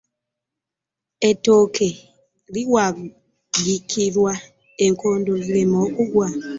Ettooke liwagikero enkondo lireme kugwa.